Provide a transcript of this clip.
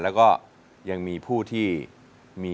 แล้วก็ยังมีผู้ที่มี